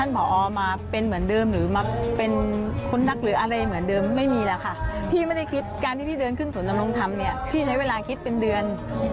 ข้ารายงานที่พี่เดินขึ้นศูนย์ดำรงทำพี่ใช้เวลาคิดเป็นเดือน